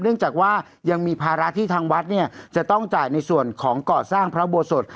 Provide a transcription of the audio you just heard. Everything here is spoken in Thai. จากว่ายังมีภาระที่ทางวัดเนี่ยจะต้องจ่ายในส่วนของก่อสร้างพระอุโบสถ